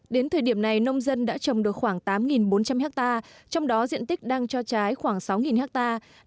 đến thời điểm này nông dân đã trồng được khoảng tám bốn trăm linh hectare trong đó diện tích đang cho trái khoảng sáu hectare